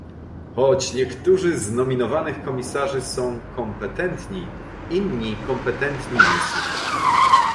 Choć niektórzy z nominowanych komisarzy są kompetentni, inni kompetentni nie są